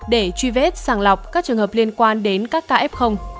để truy vết sàng lọc các trường hợp liên quan đến các kf